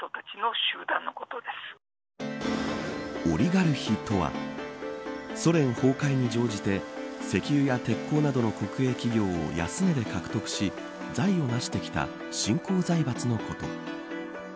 オリガルヒとはソ連崩壊に乗じて石油や鉄鋼などの国営企業を安値で獲得し財をなしてきた新興財閥のこと。